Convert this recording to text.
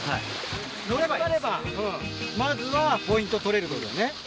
まずはポイント取れるってことだね。